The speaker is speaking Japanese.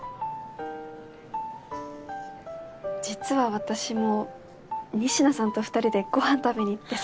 実は私も仁科さんと２人でごはん食べに行ってさ。